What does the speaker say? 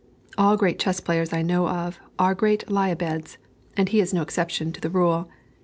All great chess players I know of, are great lie a'beds, and he is no exception to the rule.